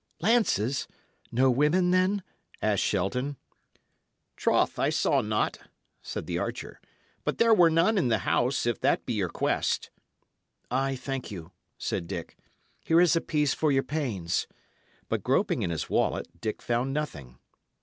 "Lances! No women, then?" asked Shelton. "Troth, I saw not," said the archer. "But there were none in the house, if that be your quest." "I thank you," said Dick. "Here is a piece for your pains." But groping in his wallet, Dick found nothing.